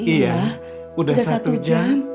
iya udah satu jam